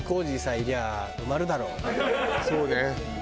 そうね。